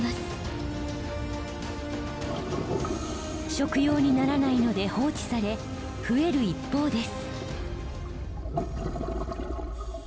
食用にならないので放置され増える一方です。